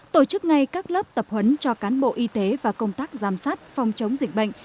tổ chức ngay các lớp tập huấn cho cán bộ y tế và công tác giám sát phòng chống dịch bệnh